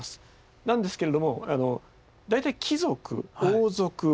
なんですけれども大体貴族王族